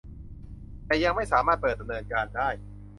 แต่ยังไม่สามารถเปิดดำเนินการได้